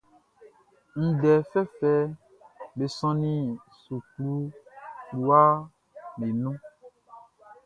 Ndɛ fɛfɛʼm be sɔnnin suklu fluwaʼm be nun.